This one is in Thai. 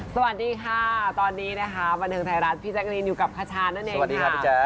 สวัสดีค่ะตอนนี้วันเทิงไทยรัฐพี่แจ๊กกะรีนอยู่กับคชานั่นเองค่ะ